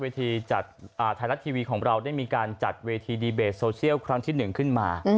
ทายลัททีวีของเราได้จัดเวทีดีเบสโซเชียลครั้งที่หนึ่งขึ้นมา